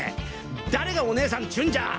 誰がお姉さんちゅうんじゃ！